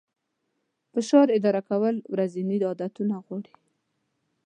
فشار اداره کول ورځني عادتونه غواړي.